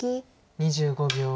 ２５秒。